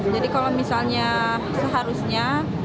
jadi kalau misalnya seharusnya